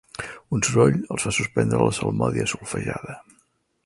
Un soroll els fa suspendre la salmòdia solfejada.